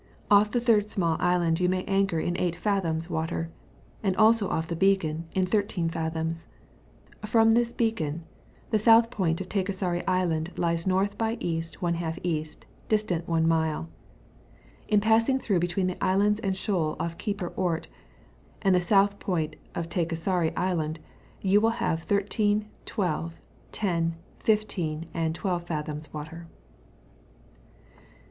Off the third small island you may anchor in 8 fathoms water; and also off the beacon, in 13 fathoms. From tms beacon the south point of Tejkasari Island lies N. by E. ^ E., distant one mile. In passing through between the islands and shoal off Keyper Ort and the south point of Tejkasari Island, you will have 13, 12, 10, 15, and 12 fathoms water.